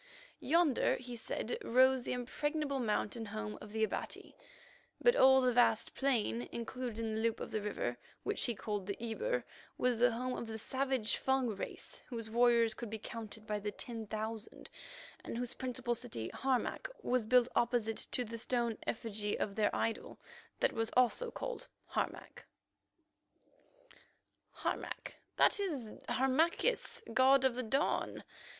Yonder, he said, rose the impregnable mountain home of the Abati, but all the vast plain included in the loop of the river which he called Ebur, was the home of the savage Fung race, whose warriors could be counted by the ten thousand, and whose principal city, Harmac, was built opposite to the stone effigy of their idol, that was also called Harmac—— "Harmac—that is Harmachis, god of dawn.